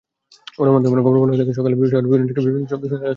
গণমাধ্যমের খবরে বলা হয়, সকালে শহরের বিভিন্ন জায়গায় বিস্ফোরণের শব্দ শোনা গেছে।